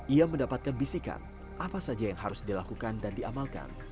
ia mendapatkan bisikan apa saja yang harus dilakukan dan diamalkan